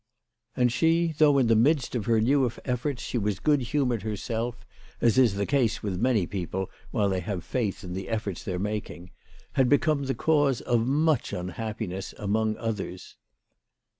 And she, though in the midst of her new efforts she was good humoured herself, as is the case with many people while they have faith in the efforts they are making, had become the cause of much unhappiness among others.